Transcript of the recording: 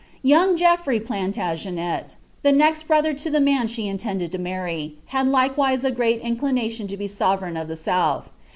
Young Geoffrey Plantagenet, the otii brother to the man she intended to marry, had likewise a great incline lion to be sovereign of the south.